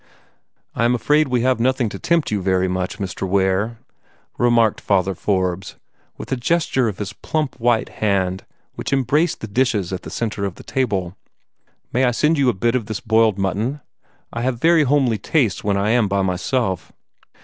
"I am afraid we have nothing to tempt you very much, Mr. Ware," remarked Father Forbes, with a gesture of his plump white hand which embraced the dishes in the centre of the table. "May I send you a bit of this boiled mutton? I have very homely tastes when I am by myself."